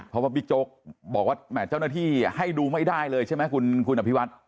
เพราะว่าบิ๊กโจ๊กบอกว่าแหม่เจ้าหน้าที่ให้ดูไม่ได้เลยใช่ไหมคุณอภิวัตร